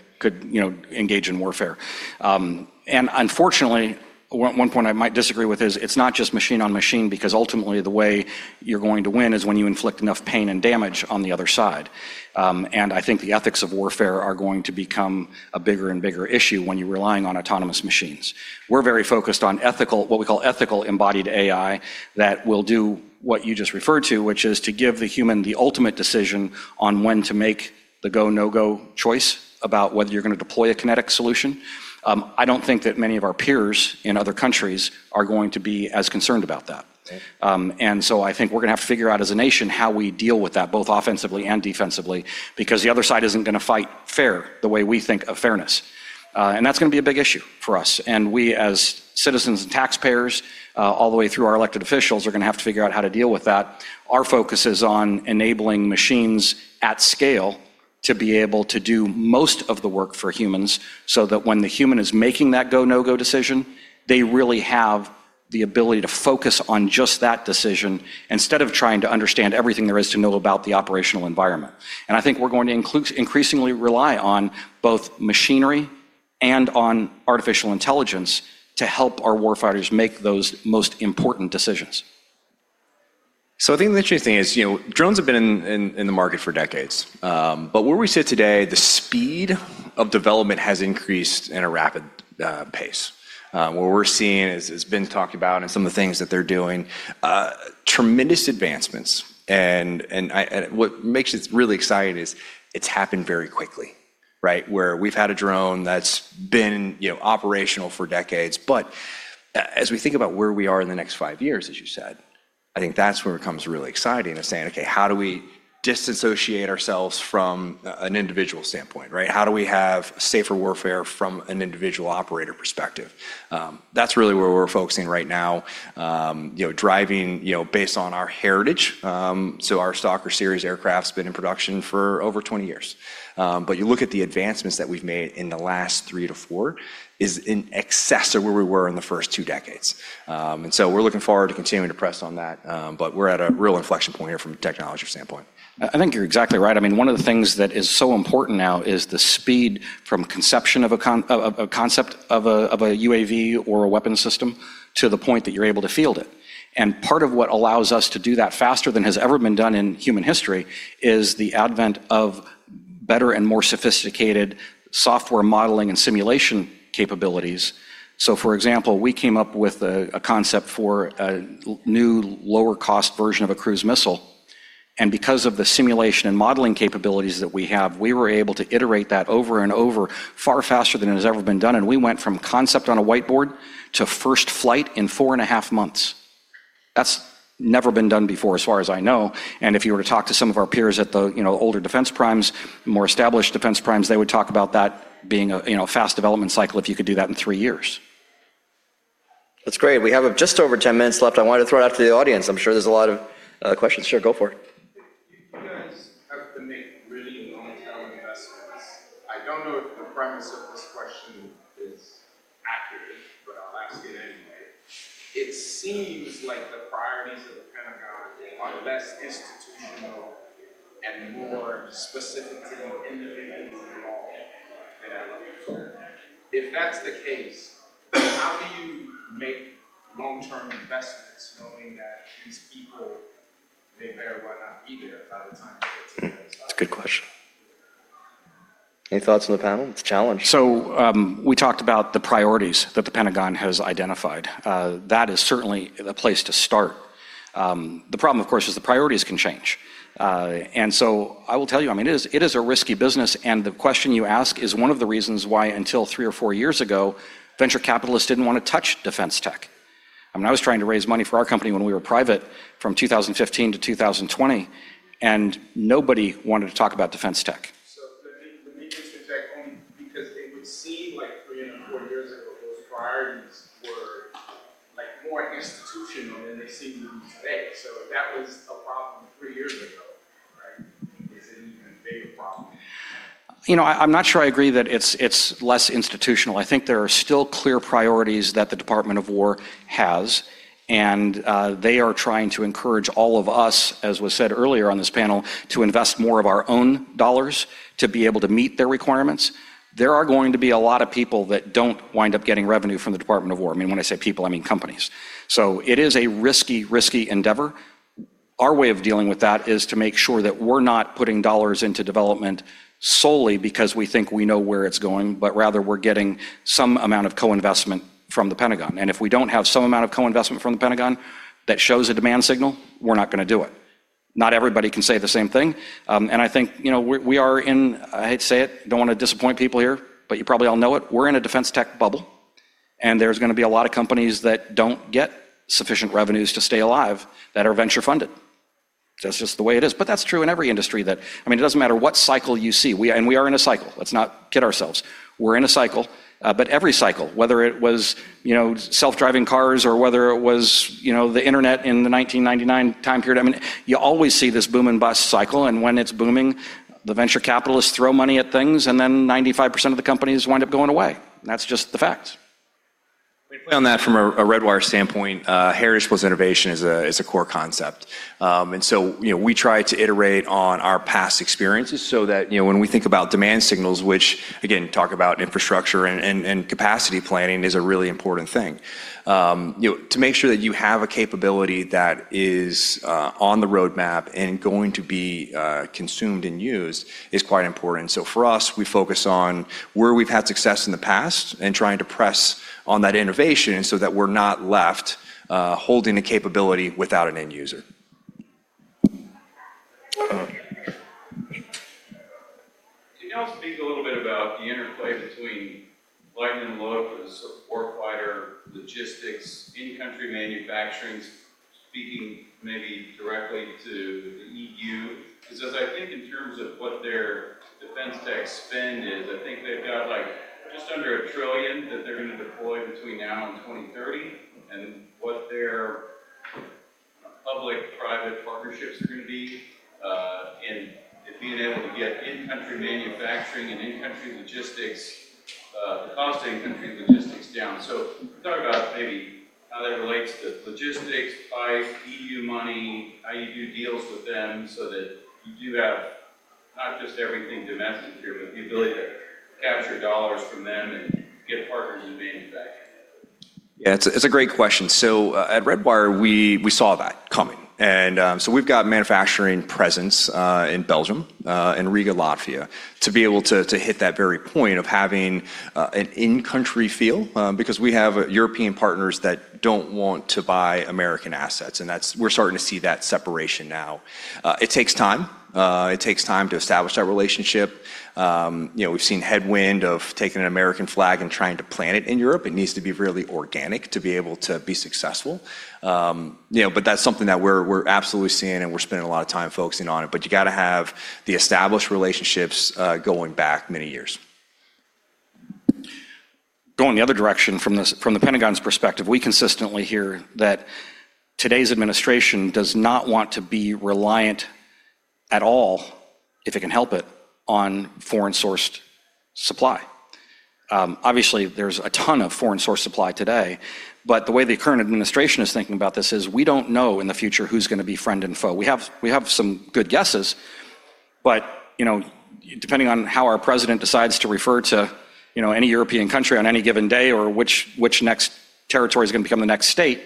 [SPEAKER 2] you know, engage in warfare. Unfortunately, one point I might disagree with is, it's not just machine on machine, because ultimately, the way you're going to win is when you inflict enough pain and damage on the other side. I think the ethics of warfare are going to become a bigger and bigger issue when you're relying on autonomous machines. We're very focused on ethical, what we call ethical embodied AI, that will do what you just referred to, which is to give the human the ultimate decision on when to make the go, no-go choice about whether you're gonna deploy a kinetic solution. I don't think that many of our peers in other countries are going to be as concerned about that.
[SPEAKER 1] Okay.
[SPEAKER 2] I think we're gonna have to figure out as a nation how we deal with that, both offensively and defensively, because the other side isn't gonna fight fair, the way we think of fairness. That's gonna be a big issue for us, and we as citizens and taxpayers, all the way through our elected officials, are gonna have to figure out how to deal with that. Our focus is on enabling machines at scale to be able to do most of the work for humans, so that when the human is making that go, no-go decision, they really have the ability to focus on just that decision instead of trying to understand everything there is to know about the operational environment. I think we're going to increasingly rely on both machinery and on artificial intelligence to help our war fighters make those most important decisions.
[SPEAKER 6] I think the interesting thing is, you know, drones have been in the market for decades. Where we sit today, the speed of development has increased in a rapid pace. What we're seeing, as Ben's talked about and some of the things that they're doing, tremendous advancements, and what makes this really exciting is it's happened very quickly, right? Where we've had a drone that's been, you know, operational for decades, as we think about where we are in the next five years, as you said, I think that's where it becomes really exciting, is saying, "Okay, how do we disassociate ourselves from an individual standpoint," right? How do we have safer warfare from an individual operator perspective? That's really where we're focusing right now.
[SPEAKER 3] You know, you know, based on our heritage, our Stalker series aircraft's been in production for over 20 years. You look at the advancements that we've made in the last three-four, is in excess of where we were in the first two decades. We're looking forward to continuing to press on that, but we're at a real inflection point here from a technology standpoint.
[SPEAKER 2] I think you're exactly right. I mean, one of the things that is so important now is the speed from conception of a concept of a UAV or a weapons system to the point that you're able to field it. Part of what allows us to do that faster than has ever been done in human history is the advent of better and more sophisticated software modeling and simulation capabilities. For example, we came up with a concept for a new, lower cost version of a cruise missile, and because of the simulation and modeling capabilities that we have, we were able to iterate that over and over far faster than it has ever been done, and we went from concept on a whiteboard to first flight in four and a half months. That's never been done before, as far as I know, and if you were to talk to some of our peers at the, you know, older defense primes, more established defense primes, they would talk about that being a, you know, fast development cycle if you could do that in three years.
[SPEAKER 1] That's great. We have just over 10 minutes left. I wanted to throw it out to the audience. I'm sure there's a lot of questions. Sure, go for it.
[SPEAKER 7] Do you guys have to make really long-term investments? I don't know if the premise of this question is accurate, but I'll ask it anyway. It seems like the priorities of the Pentagon are less institutional and more specific to the individual involved at that level. If that's the case, how do you make long-term investments knowing that these people, they may or may not be there by the time it's?
[SPEAKER 1] That's a good question. Any thoughts from the panel? It's a challenge.
[SPEAKER 2] We talked about the priorities that the Pentagon has identified. That is certainly a place to start. The problem, of course, is the priorities can change. I will tell you, I mean, it is a risky business, and the question you ask is one of the reasons why until three or four years ago, venture capitalists didn't wanna touch defense tech. I mean, I was trying to raise money for our company when we were private from 2015 to 2020, and nobody wanted to talk about defense tech.
[SPEAKER 7] For me it's interesting only because it would seem like three or four years ago, those priorities were, like, more institutional than they seem to be today. If that was a problem three years ago, right, is it an even bigger problem?
[SPEAKER 2] You know, I'm not sure I agree that it's less institutional. I think there are still clear priorities that the Department of Defense has, and they are trying to encourage all of us, as was said earlier on this panel, to invest more of our own dollars to be able to meet their requirements. There are going to be a lot of people that don't wind up getting revenue from the Department of Defense. I mean, when I say people, I mean companies. It is a risky endeavor. Our way of dealing with that is to make sure that we're not putting dollars into development solely because we think we know where it's going, but rather we're getting some amount of co-investment from the Pentagon, and if we don't have some amount of co-investment from the Pentagon that shows a demand signal, we're not gonna do it. Not everybody can say the same thing. I think, you know, we are in, I hate to say it, don't wanna disappoint people here, but you probably all know it, we're in a defense tech bubble, and there's gonna be a lot of companies that don't get sufficient revenues to stay alive that are venture funded. That's just the way it is. That's true in every industry that I mean, it doesn't matter what cycle you see. We are in a cycle. Let's not kid ourselves. We're in a cycle, but every cycle, whether it was, you know, self-driving cars or whether it was, you know, the internet in the 1999 time period, I mean, you always see this boom and bust cycle, and when it's booming, the venture capitalists throw money at things, and then 95% of the companies wind up going away. That's just the facts.
[SPEAKER 3] Quickly on that, from a Redwire standpoint, L3Harris, innovation is a core concept. You know, we try to iterate on our past experiences so that, you know, when we think about demand signals, which again talk about infrastructure and capacity planning is a really important thing. You know, to make sure that you have a capability that is on the roadmap and going to be consumed and used is quite important. For us, we focus on where we've had success in the past and trying to press on that innovation so that we're not left holding a capability without an end user.
[SPEAKER 7] Can y'all speak a little bit about the interplay between lightening the load for the support fighter, logistics, in-country manufacturing, speaking maybe directly to the EU? 'Cause as I think in terms of what their defense tech spend is, I think they've got, like, just under $1 trillion that they're gonna deploy between now and 2030, and what their public-private partnerships are gonna be, in being able to get in-country manufacturing and in-country logistics, the cost of in-country logistics down. Talk about maybe how that relates to logistics, price, EU money, how you do deals with them so that you do have not just everything domestic here, but the ability to capture dollars from them and get partners in manufacturing.
[SPEAKER 3] Yeah, it's a great question. At Redwire, we saw that coming, and we've got manufacturing presence in Belgium and Riga, Latvia, to be able to hit that very point of having an in-country feel because we have European partners that don't want to buy American assets, and that's. We're starting to see that separation now. It takes time to establish that relationship. You know, we've seen headwind of taking an American flag and trying to plant it in Europe. It needs to be really organic to be able to be successful. You know, but that's something that we're absolutely seeing, and we're spending a lot of time focusing on it. You gotta have the established relationships going back many years.
[SPEAKER 2] Going the other direction, from the Pentagon's perspective, we consistently hear that today's administration does not want to be reliant at all, if it can help it, on foreign-sourced supply. Obviously, there's a ton of foreign-sourced supply today, but the way the current administration is thinking about this is, we don't know in the future who's gonna be friend and foe. We have some good guesses, but, you know, depending on how our president decides to refer to, you know, any European country on any given day or which next territory is gonna become the next state,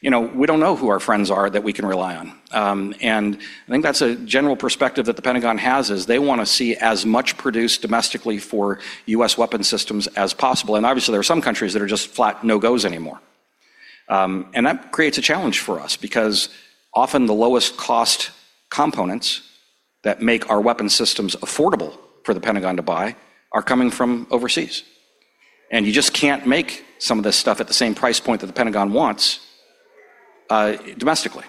[SPEAKER 2] you know, we don't know who our friends are that we can rely on. I think that's a general perspective that the Pentagon has, is they wanna see as much produced domestically for U.S. weapon systems as possible, and obviously, there are some countries that are just flat no-gos anymore. That creates a challenge for us, because often the lowest cost components that make our weapon systems affordable for the Pentagon to buy are coming from overseas, and you just can't make some of this stuff at the same price point that the Pentagon wants domestically.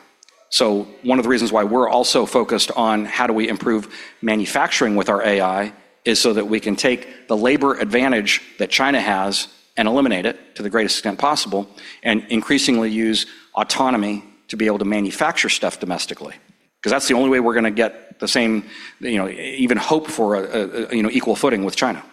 [SPEAKER 2] One of the reasons why we're also focused on how do we improve manufacturing with our AI is so that we can take the labor advantage that China has and eliminate it to the greatest extent possible, and increasingly use autonomy to be able to manufacture stuff domestically, 'cause that's the only way we're gonna get the same, you know, even hope for, you know, equal footing with China.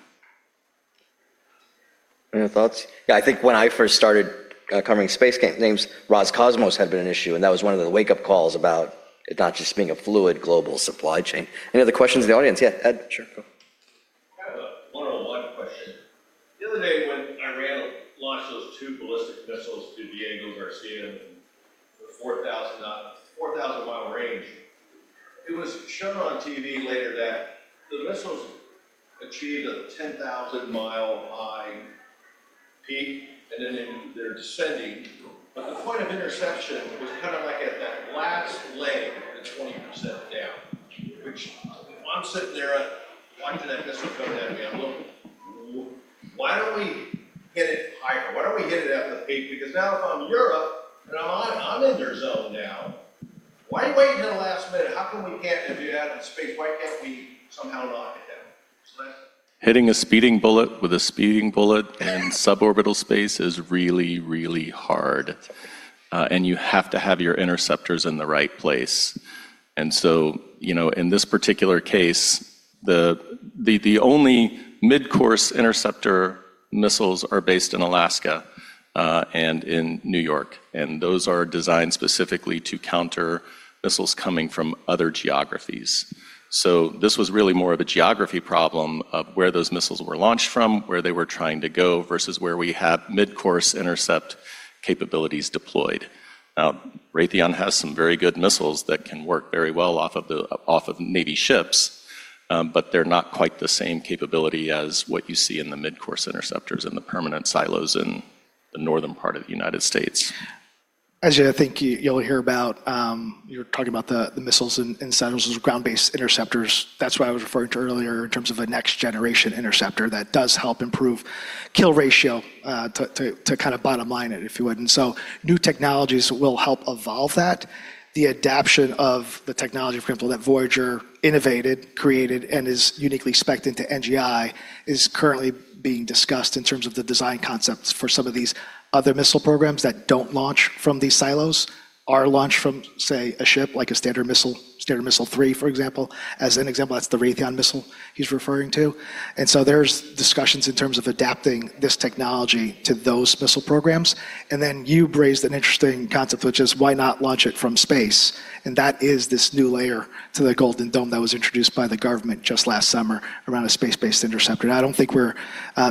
[SPEAKER 1] Any thoughts? Yeah, I think when I first started covering space companies, Roscosmos had been an issue, and that was one of the wake-up calls about it not just being a fluid global supply chain. Any other questions in the audience? Yeah, Ed. Sure, go.
[SPEAKER 7] I have a one-on-one question. The other day when Iran launched those two ballistic missiles to Diego Garcia, 4,000 mi range, it was shown on TV later that the missiles achieved a 10,000 mi high peak, and then they're descending. The point of interception was kind of like at that last leg, the 20% down. I'm sitting there watching that missile go down, and I'm looking, why don't we hit it higher? Why don't we hit it at the peak? Because now if I'm Europe, then I'm in their zone now. Why wait until the last minute? How come we can't do that in space? Why can't we somehow knock it down? That's-
[SPEAKER 5] Hitting a speeding bullet with a speeding bullet in suborbital space is really, really hard. You have to have your interceptors in the right place. You know, in this particular case, the only midcourse interceptor missiles are based in Alaska and in New York, and those are designed specifically to counter missiles coming from other geographies. This was really more of a geography problem of where those missiles were launched from, where they were trying to go versus where we have midcourse intercept capabilities deployed. Now, Raytheon has some very good missiles that can work very well off of Navy ships, but they're not quite the same capability as what you see in the midcourse interceptors and the permanent silos in the northern part of the United States.
[SPEAKER 4] Ajay, I think you'll hear about. You're talking about the missiles in silos as ground-based interceptors. That's what I was referring to earlier in terms of a Next Generation Interceptor that does help improve kill ratio to kind of bottom line it, if you would. New technologies will help evolve that. The adoption of the technology, for example, that Voyager innovated, created, and is uniquely specced into NGI is currently being discussed in terms of the design concepts for some of these other missile programs that don't launch from these silos, are launched from, say, a ship like a Standard Missile-3, for example. As an example, that's the Raytheon missile he's referring to. There's discussions in terms of adapting this technology to those missile programs. Then you raised an interesting concept, which is why not launch it from space? That is this new layer to the Golden Dome that was introduced by the government just last summer around a space-based interceptor. I don't think we're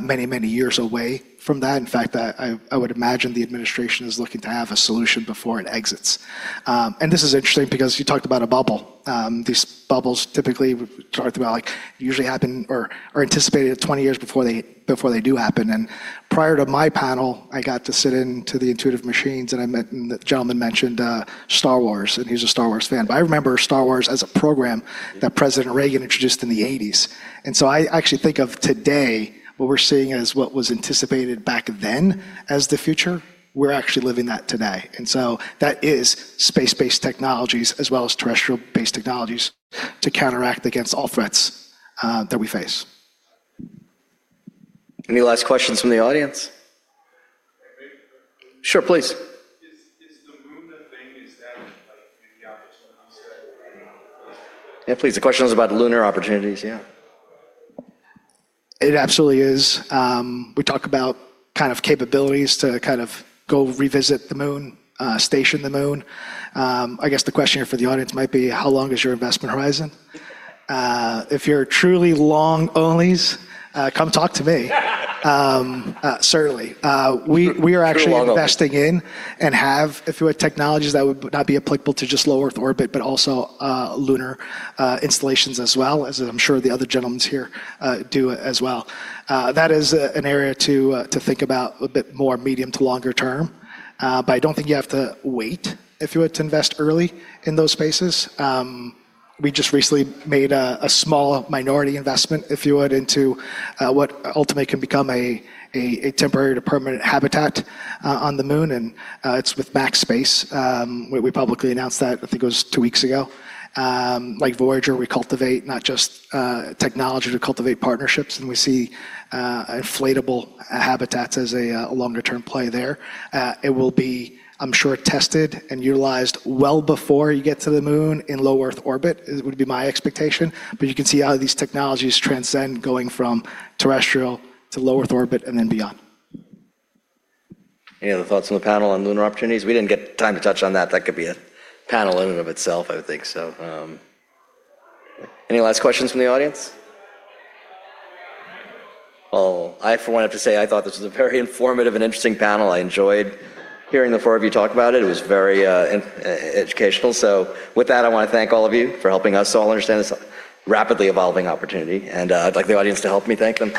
[SPEAKER 4] many years away from that. In fact, I would imagine the administration is looking to have a solution before it exits. This is interesting because you talked about a bubble. These bubbles typically we've talked about, like, usually happen or are anticipated at 20 years before they do happen. Prior to my panel, I got to sit in on the Intuitive Machines, and I met the gentleman mentioned Star Wars, and he's a Star Wars fan. I remember Star Wars as a program that President Reagan introduced in the 1980s. I actually think of today what we're seeing as what was anticipated back then as the future. We're actually living that today. That is space-based technologies as well as terrestrial-based technologies to counteract against all threats that we face.
[SPEAKER 1] Any last questions from the audience?
[SPEAKER 8] Can I make a quick-
[SPEAKER 1] Sure, please.
[SPEAKER 8] Is the moon the thing? Is that, like, maybe the opportunity set right now?
[SPEAKER 1] Yeah, please. The question was about lunar opportunities. Yeah.
[SPEAKER 4] It absolutely is. We talk about kind of capabilities to kind of go revisit the moon, station the moon. I guess the question here for the audience might be how long is your investment horizon? If you're truly long onlys, come talk to me. Certainly. We are actually-
[SPEAKER 5] True long only.
[SPEAKER 4] ...investing in and have, if you like, technologies that would not be applicable to just low Earth orbit, but also, lunar installations as well, as I'm sure the other gentlemen here do as well. That is an area to think about a bit more medium to longer term. I don't think you have to wait, if you would, to invest early in those spaces. We just recently made a small minority investment, if you would, into what ultimately can become a temporary to permanent habitat on the moon, and it's with Max Space. We publicly announced that, I think it was two weeks ago. Like Voyager, we cultivate not just technology to cultivate partnerships, and we see inflatable habitats as a longer-term play there. It will be, I'm sure, tested and utilized well before you get to the moon in low Earth orbit, would be my expectation. You can see how these technologies transcend going from terrestrial to low Earth orbit and then beyond.
[SPEAKER 1] Any other thoughts from the panel on lunar opportunities? We didn't get time to touch on that. That could be a panel in and of itself, I would think so. Any last questions from the audience? Well, I, for one, have to say I thought this was a very informative and interesting panel. I enjoyed hearing the four of you talk about it. It was very educational. With that, I wanna thank all of you for helping us all understand this rapidly evolving opportunity, and I'd like the audience to help me thank them.